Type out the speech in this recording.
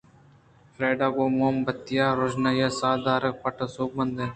فریڈا گوں موم بتی ءِ روژنائی ءَ ساہ دار ءِ پٹّگ ءَ سوب مند نہ بوت